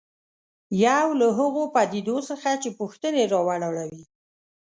یو له هغو پدیدو څخه چې پوښتنې راولاړوي.